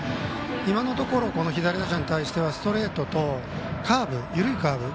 今のところ左打者に対してはストレートと緩いカーブ